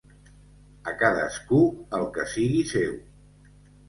A cadascú el que sigui seu.